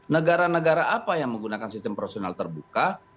negara negara apa yang menggunakan sistem proporsional terbuka